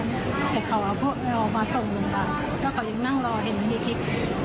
แต่เขาเอาพวกเรามาส่งลงไปก็เขายังนั่งรอเห็นพิธี